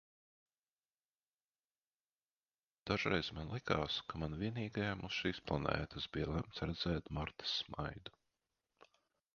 Dažreiz man likās, ka man vienīgajam uz šīs planētas bija lemts redzēt Martas smaidu.